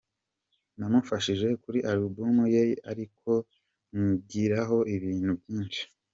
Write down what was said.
Namufashije kuri album ye ariko mwigiraho ibintu byinshi.